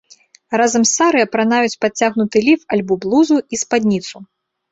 Разам з сары апранаюць падцягнуты ліф або блузу і спадніцу.